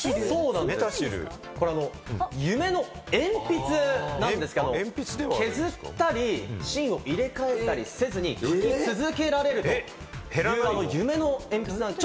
これ夢の鉛筆なんですが、削ったり、芯を入れ替えたりせずに書き続けられるという夢の鉛筆なんです。